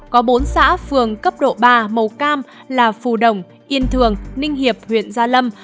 có bốn xã phường cấp độ ba màu cam là phù đồng yên thường ninh hiệp huyện gia lâm